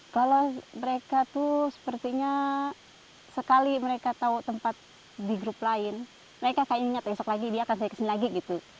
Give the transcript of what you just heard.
kalau mereka tuh sepertinya sekali mereka tahu tempat di grup lain mereka kayaknya ingat besok lagi dia akan saya kesini lagi gitu